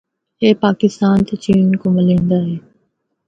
اے پاکستان تے چین کو ملیندا ہے۔